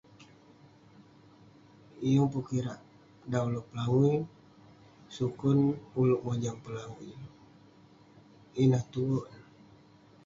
Yeng pe kirak dan ulouk pelangui. Sukon, ulouk mojam pelangui. Ineh teuk ne.